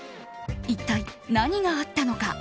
一体、何があったのか。